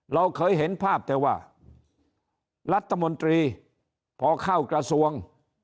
เราเคยเห็นภาพแต่ว่ารัฐมนตรีพอเข้ากระทรวง